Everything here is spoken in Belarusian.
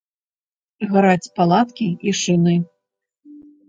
Гараць палаткі і шыны.